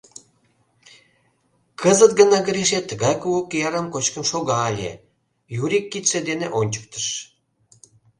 — Кызыт гына Гришет тыгай кугу киярым кочкын шога ыле, — Юрик кидше дене ончыктыш.